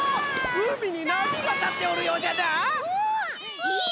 うみになみがたっておるようじゃな！